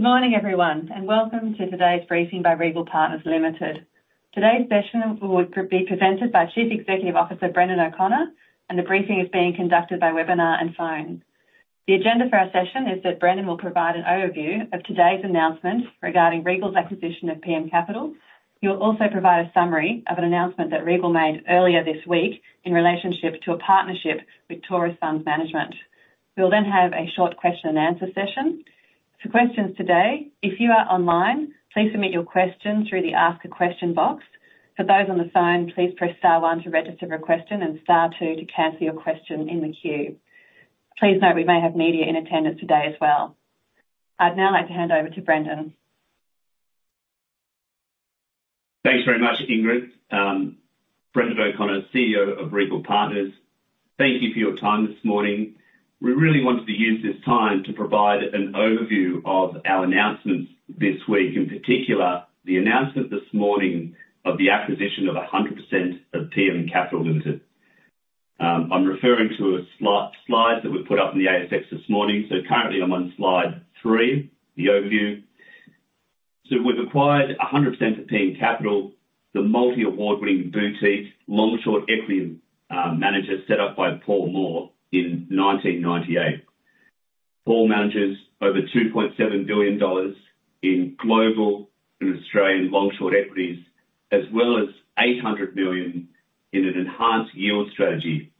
Morning, everyone, and welcome to today's briefing by Regal Partners Limited. Today's session will be presented by Chief Executive Officer, Brendan O’Connor, and the briefing is being conducted by webinar and phone. The agenda for our session is that Brendan will provide an overview of today's announcement regarding Regal's acquisition of PM Capital. He will also provide a summary of an announcement that Regal made earlier this week in relationship to a partnership with Taurus Funds Management. We'll then have a short question-and-answer session. For questions today, if you are online, please submit your question through the Ask a Question box. For those on the phone, please press star one to register your question and star two to cancel your question in the queue. Please note, we may have media in attendance today as well. I'd now like to hand over to Brendan. Thanks very much, Ingrid. Brendan O'Connor, CEO of Regal Partners. Thank you for your time this morning. We really wanted to use this time to provide an overview of our announcements this week, in particular, the announcement this morning of the acquisition of 100% of PM Capital Limited. I'm referring to a slide that we put up in the ASX this morning. So currently I'm on slide three, the overview. So we've acquired 100% of PM Capital, the multi-award-winning boutique, long-short equity manager, set up by Paul Moore in 1998. Paul manages over 2.7 billion dollars in global and Australian long-short equities, as well as 800 million in an enhanced yield strategy.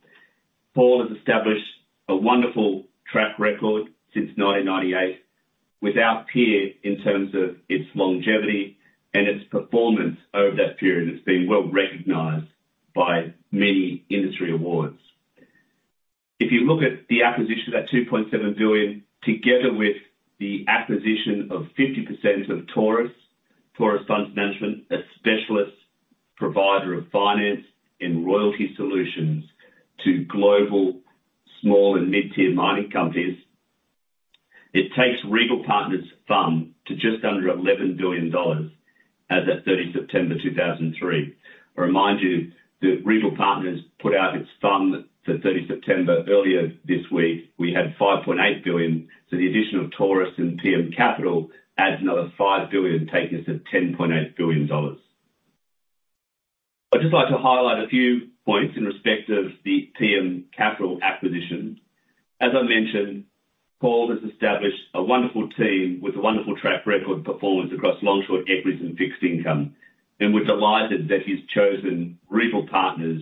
Paul has established a wonderful track record since 1998, without peer, in terms of its longevity and its performance over that period. It's been well recognized by many industry awards. If you look at the acquisition of that 2.7 billion, together with the acquisition of 50% of Taurus Funds Management, a specialist provider of finance and royalty solutions to global small and mid-tier mining companies, it takes Regal Partners' FUM to just under 11 billion dollars as at 30 September 2023. I remind you that Regal Partners put out its FUM to 30 September. Earlier this week, we had 5.8 billion, so the addition of Taurus Funds Management and PM Capital adds another 5 billion, taking us to 10.8 billion dollars. I'd just like to highlight a few points in respect of the PM Capital acquisition. As I mentioned, Paul has established a wonderful team with a wonderful track record of performance across long-short equities and fixed income. We're delighted that he's chosen Regal Partners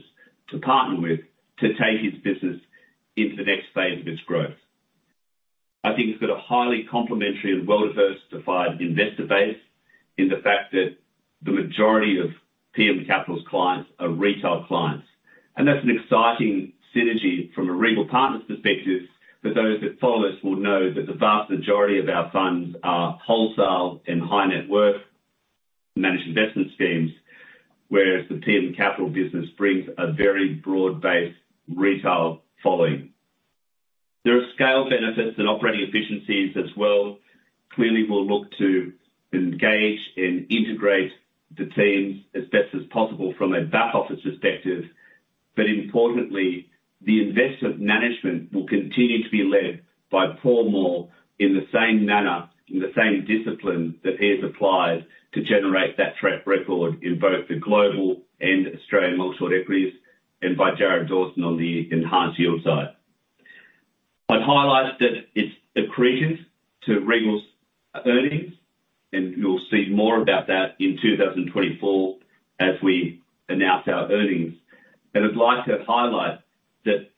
to partner with, to take his business into the next phase of its growth. I think it's got a highly complementary and well-diversified investor base in the fact that the majority of PM Capital's clients are retail clients. That's an exciting synergy from a Regal Partners perspective, that those that follow us will know that the vast majority of our funds are wholesale and high net worth managed investment schemes, whereas the PM Capital business brings a very broad-based retail following. There are scale benefits and operating efficiencies as well. Clearly, we'll look to engage and integrate the teams as best as possible from a back-office perspective. But importantly, the investment management will continue to be led by Paul Moore in the same manner, in the same discipline, that he has applied to generate that track record in both the global and Australian long-short equities, and by Jarod Dawson on the enhanced yield side. I've highlighted that it's accretive to Regal's earnings, and you'll see more about that in 2024 as we announce our earnings. I would like to highlight that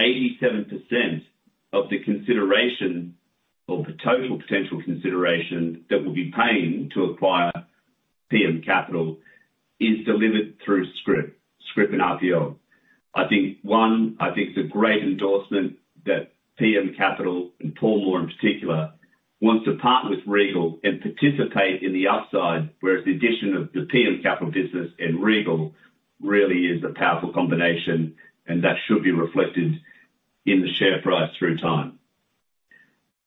87% of the consideration, or the total potential consideration, that we'll be paying to acquire PM Capital, is delivered through scrip, scrip, and RPL. I think, I think it's a great endorsement that PM Capital, and Paul Moore in particular, wants to partner with Regal and participate in the upside. Whereas the addition of the PM Capital business and Regal really is a powerful combination, and that should be reflected in the share price through time.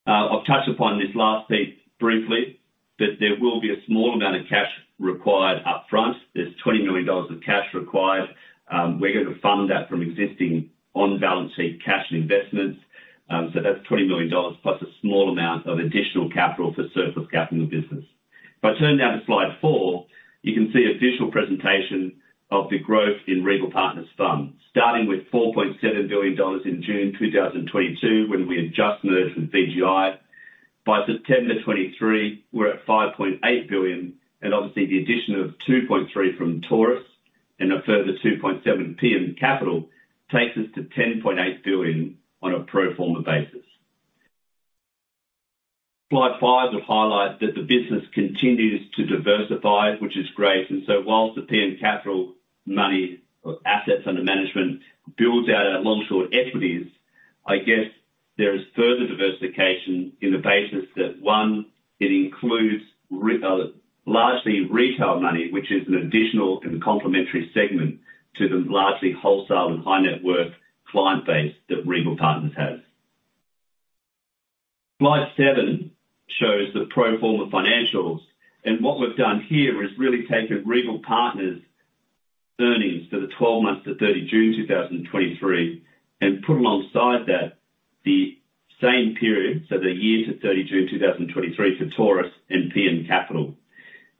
I've touched upon this last piece briefly, that there will be a small amount of cash required up front. There's 20 million dollars of cash required. We're going to fund that from existing on-balance sheet cash investments. So that's 20 million dollars, plus a small amount of additional capital to service capital business. If I turn now to slide four, you can see a visual presentation of the growth in Regal Partners funds, starting with 4.7 billion dollars in June 2022, when we had just merged with VGI. By September 2023, we're at 5.8 billion, and obviously, the addition of 2.3 billion from Taurus and a further 2.7 billion PM Capital, takes us to 10.8 billion on a pro forma basis. Slide five will highlight that the business continues to diversify, which is great. And so whilst the PM Capital money or assets under management builds out our long-short equities, I guess there is further diversification in the basis that, one, it includes largely retail money, which is an additional and complementary segment to the largely wholesale and high net worth client base that Regal Partners has. Slide seven shows the pro forma financials. What we've done here is really taken Regal Partners earnings for the 12 months to 30 June 2023, and put alongside that the same period, so the year to 30 June 2023, for Taurus and PM Capital.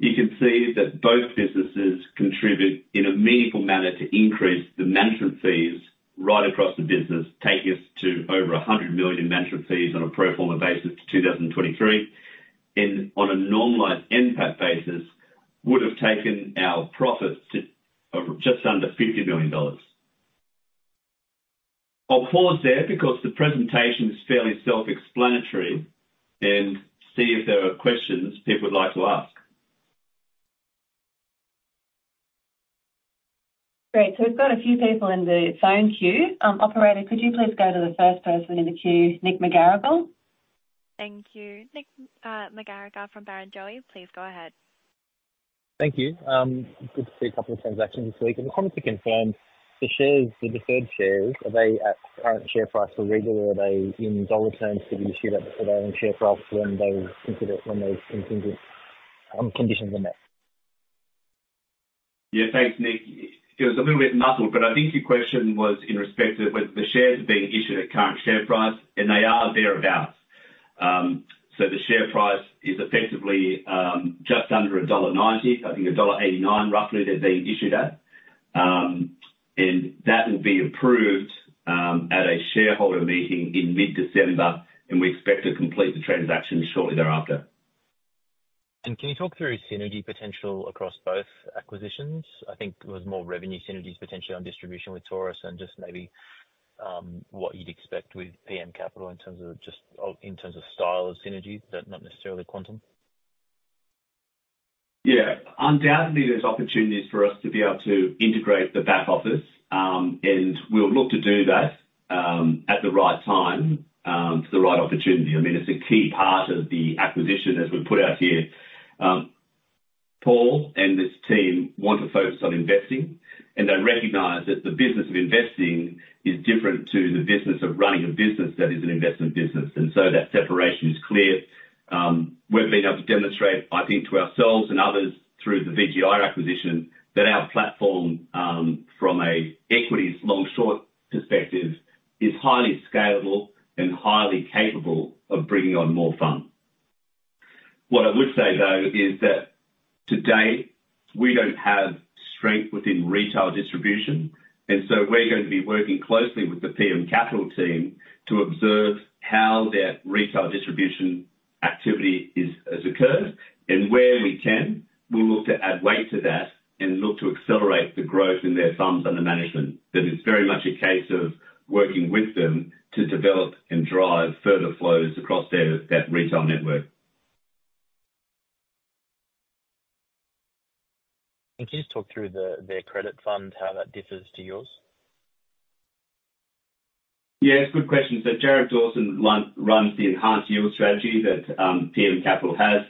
You can see that both businesses contribute in a meaningful manner to increase the management fees right across the business, take us to over 100 million in management fees on a pro forma basis to 2023, and on a normalized NPAT basis, would have taken our profits to just under 50 million dollars. I'll pause there because the presentation is fairly self-explanatory, and see if there are questions people would like to ask. Great. So we've got a few people in the phone queue. Operator, could you please go to the first person in the queue, Nick McGarrigle? Thank you. Nick McGarrigle from Barrenjoey, please go ahead. Thank you. Good to see a couple of transactions this week. I wanted to confirm, the shares, the deferred shares, are they at current share price for Regal? Are they in dollar terms to be issued at, are they in share price when they incident, when those conditions are met? Yeah, thanks, Nick. It was a little bit muddled, but I think your question was in respect to whether the shares are being issued at current share price, and they are thereabout. So the share price is effectively, just under dollar 1.90, I think dollar 1.89, roughly, they're being issued at. And that will be approved, at a shareholder meeting in mid-December, and we expect to complete the transaction shortly thereafter. Can you talk through synergy potential across both acquisitions? I think it was more revenue synergies potentially on distribution with Taurus, and just maybe, what you'd expect with PM Capital in terms of just, in terms of style of synergy, but not necessarily quantum. Yeah. Undoubtedly, there's opportunities for us to be able to integrate the back office, and we'll look to do that, at the right time, for the right opportunity. I mean, it's a key part of the acquisition, as we've put out here. Paul and his team want to focus on investing, and they recognize that the business of investing is different to the business of running a business that is an investment business, and so that separation is clear. We've been able to demonstrate, I think, to ourselves and others through the VGI acquisition, that our platform, from a equities long-short perspective, is highly scalable and highly capable of bringing on more funds. What I would say, though, is that today we don't have strength within retail distribution, and so we're going to be working closely with the PM Capital team to observe how their retail distribution activity is, has occurred. And where we can, we'll look to add weight to that and look to accelerate the growth in their funds under management. That it's very much a case of working with them to develop and drive further flows across their, that retail network. Can you just talk through their credit fund, how that differs to yours? Yeah, it's a good question. So Jarod Dawson runs the enhanced yield strategy that PM Capital has.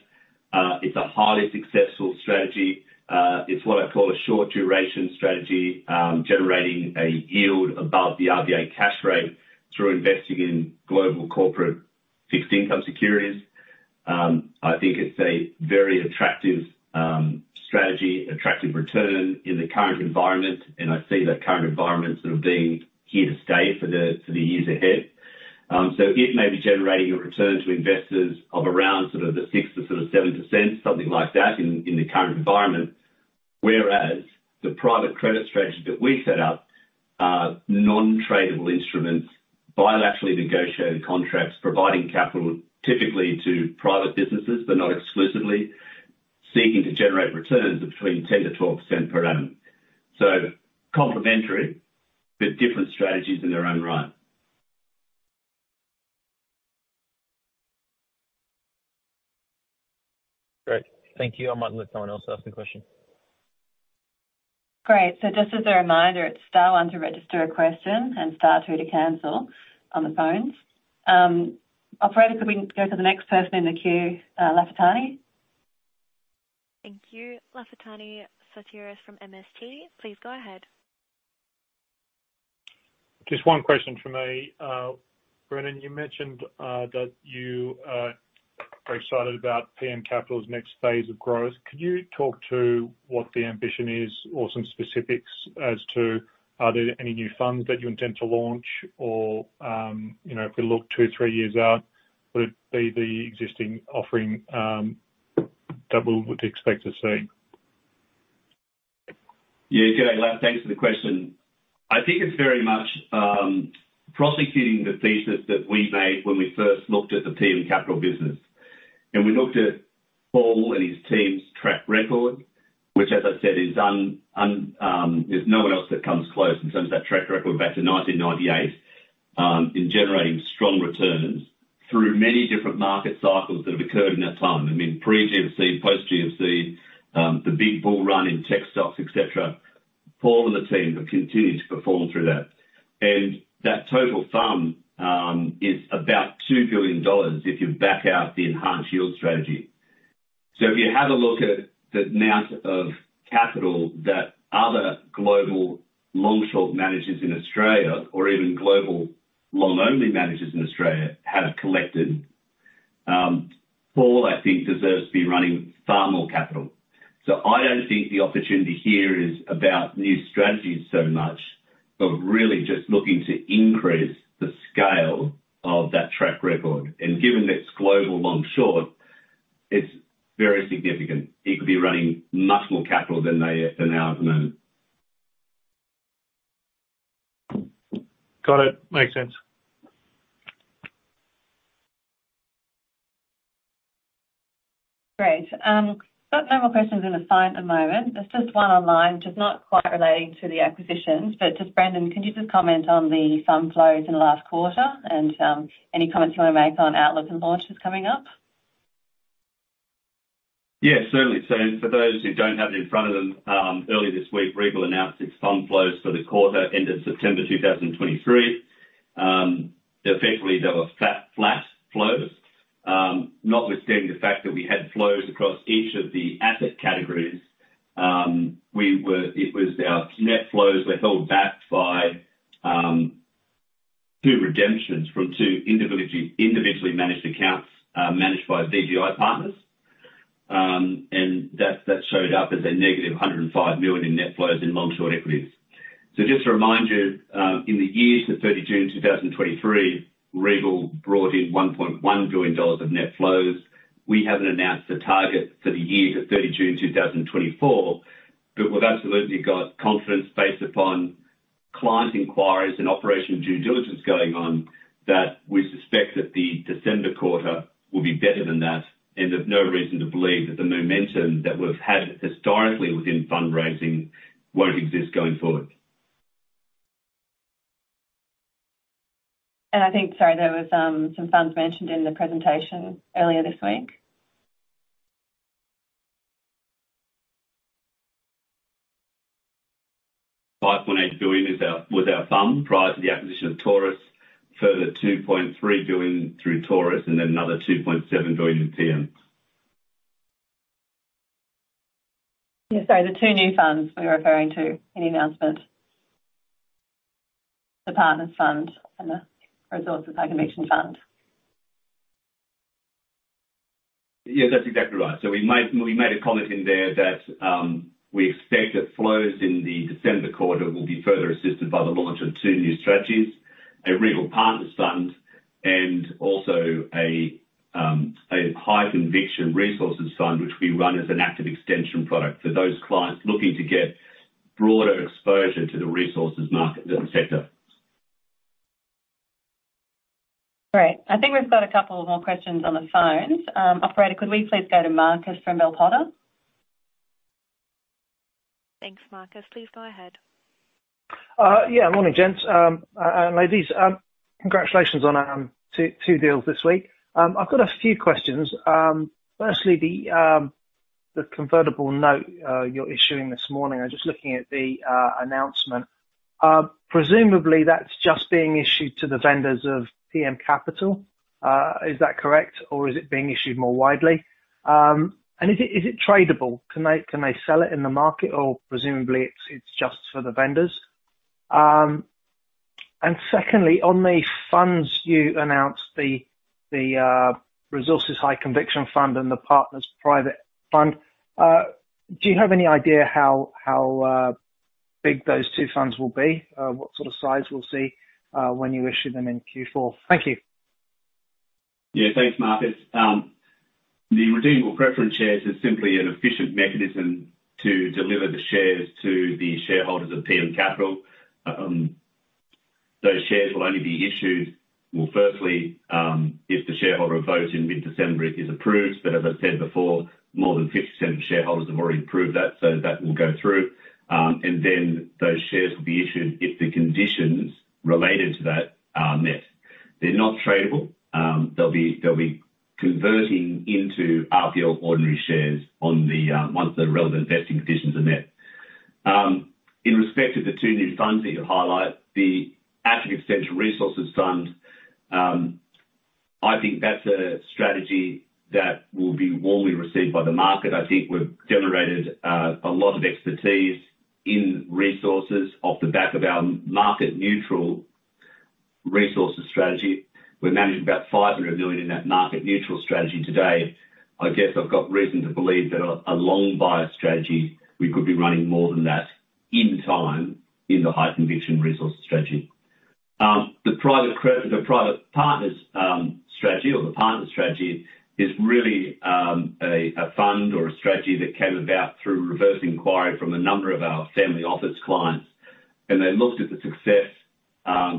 It's a highly successful strategy. It's what I call a short-duration strategy, generating a yield above the RBA cash rate through investing in global corporate fixed income securities. I think it's a very attractive strategy, attractive return in the current environment, and I see that current environment sort of being here to stay for the years ahead. So it may be generating a return to investors of around sort of the 6%-7%, something like that, in the current environment. Whereas, the private credit strategy that we set up, are non-tradable instruments, bilaterally negotiated contracts, providing capital typically to private businesses, but not exclusively, seeking to generate returns of between 10%-12% per annum. Complementary, but different strategies in their own right. Great. Thank you. I might let someone else ask a question. Great. So just as a reminder, it's star one to register a question and star two to cancel on the phones. Operator, could we go to the next person in the queue, Lafitani? Thank you. Lafitani Sotiriou from MST. Please go ahead. Just one question from me. Brendan, you mentioned that you are very excited about PM Capital's next phase of growth. Could you talk to what the ambition is, or some specifics as to are there any new funds that you intend to launch? Or, you know, if we look two, three years out, would it be the existing offering that we would expect to see? Yeah. G'day, Laf, thanks for the question. I think it's very much prosecuting the thesis that we made when we first looked at the PM Capital business. And we looked at Paul and his team's track record, which, as I said, there's no one else that comes close in terms of that track record back to 1998 in generating strong returns through many different market cycles that have occurred in that time. I mean, pre-GFC, post-GFC, the big bull run in tech stocks, et cetera. Paul and the team have continued to perform through that. And that total sum is about 2 billion dollars if you back out the enhanced yield strategy. So if you have a look at the amount of capital that other global long-short managers in Australia, or even global long-only managers in Australia, have collected-- Paul, I think, deserves to be running far more capital. So I don't think the opportunity here is about new strategies so much, but really just looking to increase the scale of that track record. And given that it's global, long, short, it's very significant. He could be running much more capital than they are for now at the moment. Got it. Makes sense. Great. Got no more questions on the phone at the moment. There's just one online, just not quite relating to the acquisition, but just, Brendan, can you just comment on the fund flows in the last quarter and, any comments you want to make on outflows and launches coming up? Yeah, certainly. So for those who don't have it in front of them, earlier this week, Regal announced its fund flows for the quarter end of September 2023. Effectively, there were flat flows, notwithstanding the fact that we had flows across each of the asset categories, it was our net flows were held back by two redemptions from two individually managed accounts managed by VGI Partners. And that showed up as -105 million in net flows in long-short equities. So just to remind you, in the years to 30 June 2023, Regal brought in 1.1 billion dollars of net flows. We haven't announced the target for the year to 30 June 2024, but we've absolutely got confidence based upon client inquiries and operational due diligence going on, that we suspect that the December quarter will be better than that, and there's no reason to believe that the momentum that we've had historically within fundraising won't exist going forward. I think, sorry, there was some funds mentioned in the presentation earlier this week. 5.8 billion is our, was our fund prior to the acquisition of Taurus. Further 2.3 billion through Taurus, and then another 2.7 billion in PM. Yeah, sorry, the two new funds we were referring to in the announcement. The Partners Fund and the Resources High Conviction Fund. Yeah, that's exactly right. So we made a comment in there that we expect that flows in the December quarter will be further assisted by the launch of two new strategies, a Regal Partners fund, and also a high conviction resources fund, which we run as an Active Extension product for those clients looking to get broader exposure to the resources market sector. Great. I think we've got a couple of more questions on the phone. Operator, could we please go to Marcus from Bell Potter? Thanks, Marcus. Please go ahead. Yeah, morning, gents, and ladies. Congratulations on two deals this week. I've got a few questions. Firstly, the convertible note you're issuing this morning. I'm just looking at the announcement. Presumably, that's just being issued to the vendors of PM Capital. Is that correct, or is it being issued more widely? And is it tradable? Can they sell it in the market, or presumably, it's just for the vendors? And secondly, on the funds you announced, the Resources High Conviction Fund and the Partners Private Fund, do you have any idea how big those 2 funds will be? What sort of size we'll see when you issue them in Q4? Thank you. Yeah, thanks, Marcus. The redeemable preference shares is simply an efficient mechanism to deliver the shares to the shareholders of PM Capital. Those shares will only be issued. Well, firstly, if the shareholder vote in mid-December is approved, but as I said before, more than 50% of shareholders have already approved that, so that will go through. And then those shares will be issued if the conditions related to that are met. They're not tradable. They'll be converting into RPL ordinary shares once the relevant vesting conditions are met. In respect to the two new funds that you highlight, the Active Extension Resources Fund, I think that's a strategy that will be warmly received by the market. I think we've generated a lot of expertise in resources off the back of our market-neutral resources strategy. We're managing about 500 million in that market-neutral strategy today. I guess I've got reason to believe that a long buyer strategy, we could be running more than that in time in the high conviction resource strategy. The private partners strategy or the partner strategy is really a fund or a strategy that came about through reverse inquiry from a number of our family office clients. And they looked at the success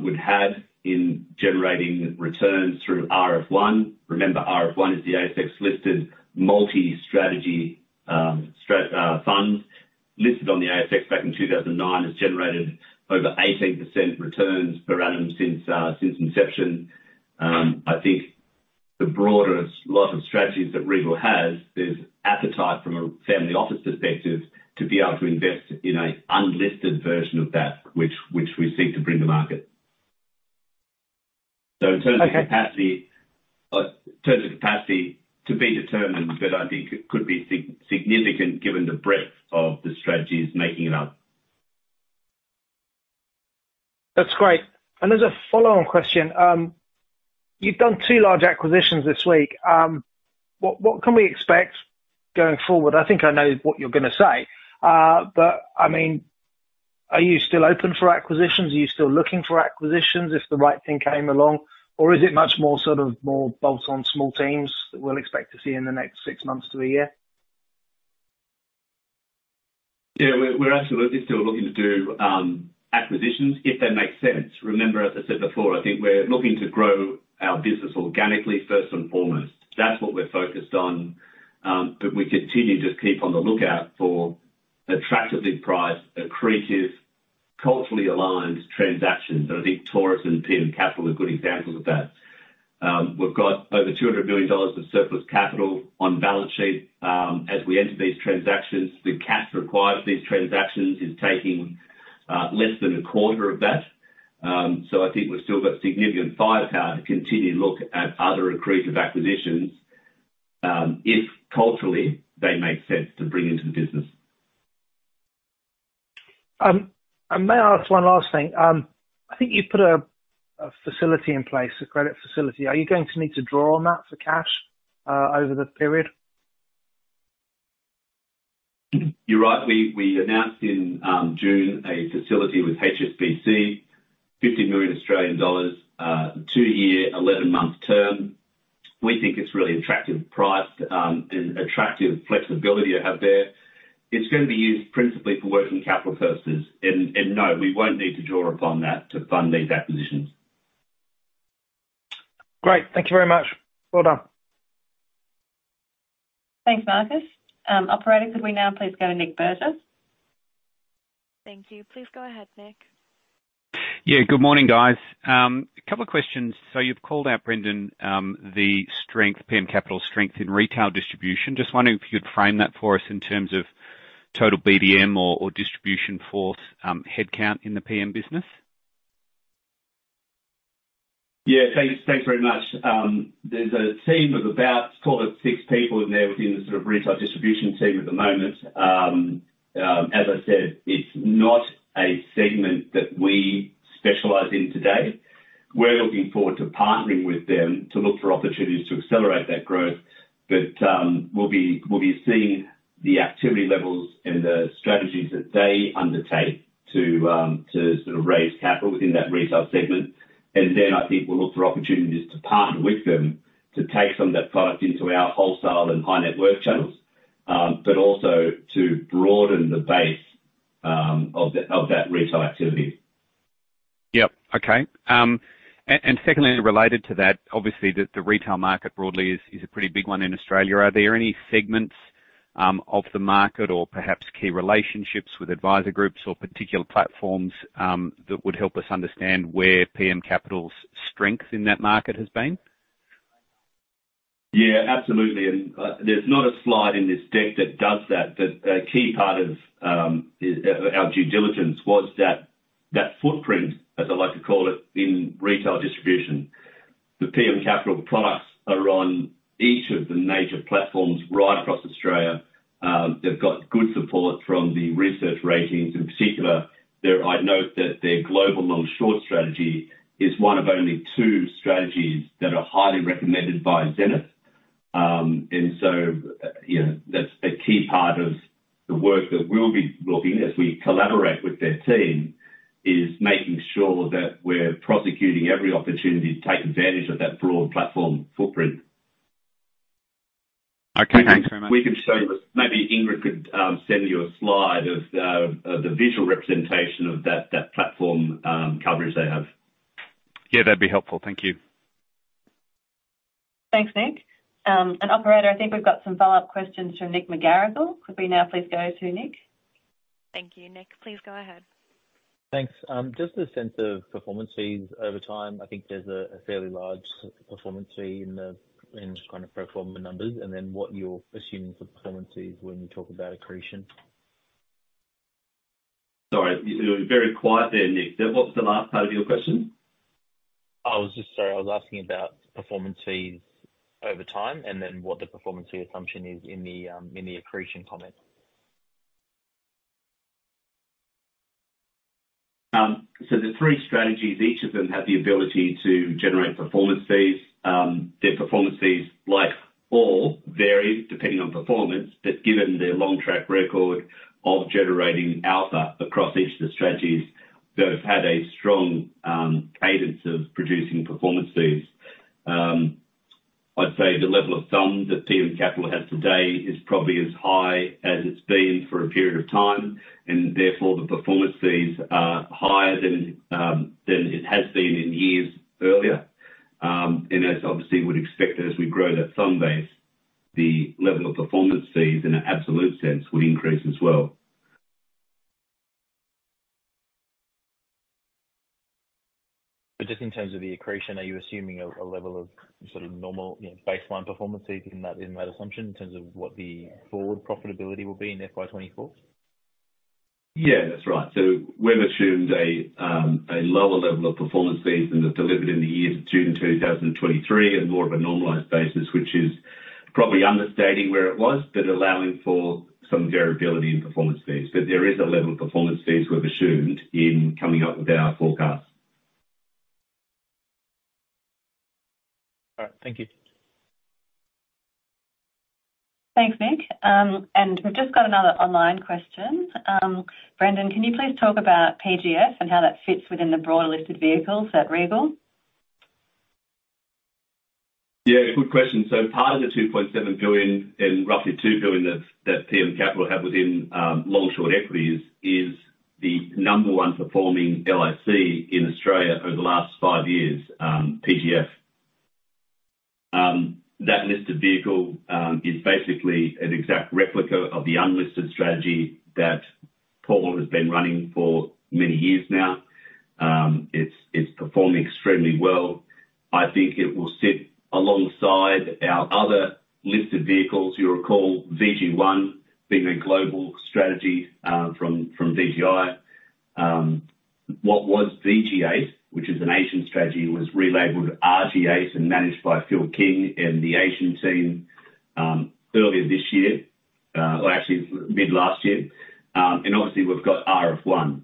we'd had in generating returns through RF1. Remember, RF1 is the ASX-listed multi-strategy fund, listed on the ASX back in 2009. It's generated over 18% returns per annum since inception. I think the broader lot of strategies that Regal has, there's appetite from a family office perspective to be able to invest in a unlisted version of that, which we seek to bring to market. So in terms of capacity, in terms of capacity to be determined, but I think it could be significant given the breadth of the strategies making it up. That's great. As a follow-on question, you've done two large acquisitions this week. What can we expect going forward? I think I know what you're gonna say. But I mean, are you still open for acquisitions? Are you still looking for acquisitions, if the right thing came along? Or is it much more, sort of, more bolt-on small teams that we'll expect to see in the next six months to a year? Yeah, we're absolutely still looking to do acquisitions, if they make sense. Remember, as I said before, I think we're looking to grow our business organically, first and foremost. That's what we're focused on, but we continue to keep on the lookout for attractively priced, accretive, culturally aligned transactions, and I think Taurus and PM Capital are good examples of that. We've got over 200 million dollars of surplus capital on balance sheet. As we enter these transactions, the cash required for these transactions is taking less than a quarter of that. So I think we've still got significant firepower to continue to look at other accretive acquisitions, if culturally, they make sense to bring into the business. May I ask one last thing? I think you put a facility in place, a credit facility. Are you going to need to draw on that for cash over the period? You're right. We announced in June a facility with HSBC, 50 million Australian dollars, 2-year, 11-month term. We think it's really attractively priced, and attractive flexibility to have there. It's going to be used principally for working capital purposes. And, and no, we won't need to draw upon that to fund these acquisitions. Great. Thank you very much. Well done. Thanks, Marcus. Operator, could we now please go to Nick Burgess? Thank you. Please go ahead, Nick. Yeah, good morning, guys. A couple of questions. So you've called out, Brendan, the strength, PM Capital's strength in retail distribution. Just wondering if you'd frame that for us in terms of total BDM or, or distribution force, headcount in the PM business? Yeah, thanks. Thanks very much. There's a team of about, call it, six people in there within the sort of retail distribution team at the moment. As I said, it's not a segment that we specialize in today. We're looking forward to partnering with them to look for opportunities to accelerate that growth. But we'll be seeing the activity levels and the strategies that they undertake to sort of raise capital within that retail segment. And then, I think we'll look for opportunities to partner with them, to take some of that product into our wholesale and high-net-worth channels, but also to broaden the base of that retail activity. Yeah. Okay. And secondly, related to that, obviously, the retail market broadly is a pretty big one in Australia. Are there any segments off the market or perhaps key relationships with advisor groups or particular platforms that would help us understand where PM Capital's strength in that market has been? Yeah, absolutely. And, there's not a slide in this deck that does that, but a key part of, our due diligence was that, that footprint, as I like to call it, in retail distribution. The PM Capital products are on each of the major platforms right across Australia. They've got good support from the research ratings. In particular, I'd note that their global long-short strategy is one of only two strategies that are highly recommended by Zenith. And so, you know, that's a key part of the work that we'll be looking as we collaborate with their team, is making sure that we're prosecuting every opportunity to take advantage of that broad platform footprint. Okay. Thank you very much. We can show you maybe Ingrid could send you a slide of the visual representation of that platform coverage they have. Yeah, that'd be helpful. Thank you. Thanks, Nick. Operator, I think we've got some follow-up questions from Nick McGarrigle. Could we now please go to Nick? Thank you. Nick, please go ahead. Thanks. Just a sense of performance fees over time. I think there's a fairly large performance fee in the in kind of pro forma numbers, and then what you're assuming the performance fees when you talk about accretion? Sorry, you were very quiet there, Nick. So what was the last part of your question? I was just--sorry, I was asking about performance fees over time, and then what the performance fee assumption is in the accretion comment. So the three strategies, each of them have the ability to generate performance fees. Their performance fees, like all, vary depending on performance. But given their long track record of generating alpha across each of the strategies, they've had a strong, cadence of producing performance fees. I'd say the rule of thumb that PM Capital has today is probably as high as it's been for a period of time, and therefore, the performance fees are higher than, than it has been in years earlier. And as obviously we'd expect, as we grow that fund base, the level of performance fees, in an absolute sense, would increase as well. But just in terms of the accretion, are you assuming a level of sort of normal, you know, baseline performance fees in that assumption, in terms of what the forward profitability will be in FY 2024? Yeah, that's right. So we've assumed a lower level of performance fees than was delivered in the year to June 2023, and more of a normalized basis, which is probably understating where it was, but allowing for some variability in performance fees. But there is a level of performance fees we've assumed in coming up with our forecast. All right, thank you. Thanks, Nick. We've just got another online question. Brendan, can you please talk about PGF and how that fits within the broader listed vehicles at Regal? Yeah, good question. So part of the 2.7 billion and roughly 2 billion that PM Capital have within long-short equities is the number one performing LIC in Australia over the last five years, PGF. That listed vehicle is basically an exact replica of the unlisted strategy that Paul has been running for many years now. It's performing extremely well. I think it will sit alongside our other listed vehicles. You'll recall VG1 being a global strategy from VGI. What was VG8, which is an Asian strategy, was relabeled RG8 and managed by Phil King and the Asian team earlier this year, or actually mid-last year. And obviously, we've got RF1.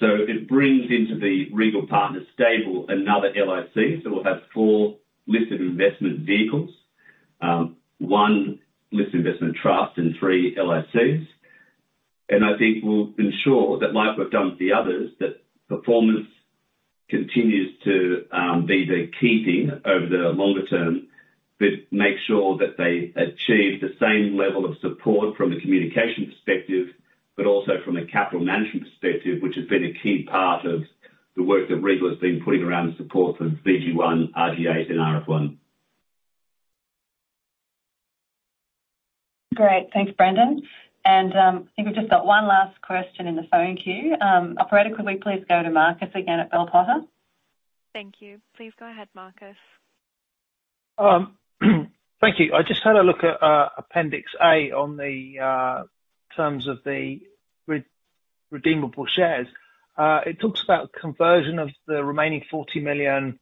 So it brings into the Regal Partners stable another LIC. We'll have four listed investment vehicles, one listed investment trust and three LICs. I think we'll ensure that, like we've done with the others, that performance continues to be the key thing over the longer term, but make sure that they achieve the same level of support from a communication perspective, but also from a capital management perspective, which has been a key part of the work that Regal has been putting around the support for VG1, RG8, and RF1. Great. Thanks, Brendan, and, I think we've just got one last question in the phone queue. Operator, could we please go to Marcus again at Bell Potter? Thank you. Please go ahead, Marcus. Thank you. I just had a look at appendix A on the terms of the redeemable shares. It talks about conversion of the remaining 40 million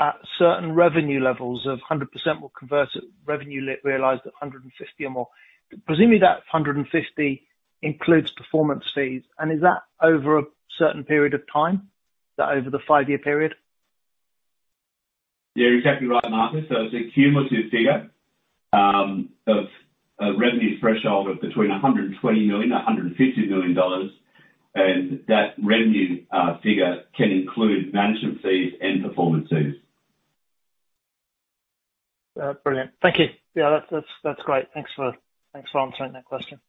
at certain revenue levels of 100%, will convert at revenue realized at 150 or more. Presumably, that 150 includes performance fees, and is that over a certain period of time, that over the five-year period? You're exactly right, Marcus. So it's a cumulative figure of a revenue threshold of between 120 million-150 million dollars, and that revenue figure can include management fees and performance fees. Brilliant. Thank you. Yeah, that's great. Thanks for, thanks for answering that question.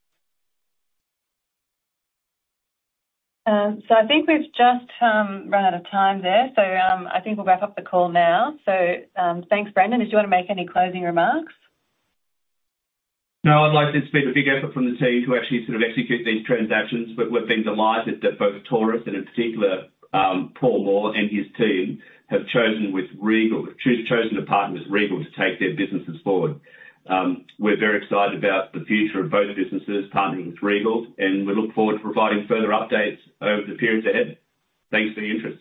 I think we've just run out of time there. I think we'll wrap up the call now. Thanks, Brendan. Did you want to make any closing remarks? No, I'd like to just thank the big effort from the team to actually sort of execute these transactions, but we've been delighted that both Taurus and in particular, Paul Moore and his team, have chosen to partner with Regal to take their businesses forward. We're very excited about the future of both businesses partnering with Regal, and we look forward to providing further updates over the period ahead. Thanks for your interest.